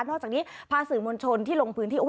อกจากนี้พาสื่อมวลชนที่ลงพื้นที่